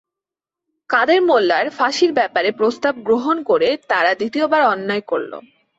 কাদের মোল্লার ফঁসির ব্যাপারে প্রস্তাব গ্রহণ করে তারা দ্বিতীয়বার অন্যায় করল।